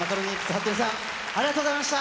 はっとりさん、ありがとうございました。